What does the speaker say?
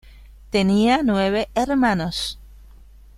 Tenía nueve hermanos.